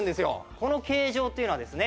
この形状というのはですね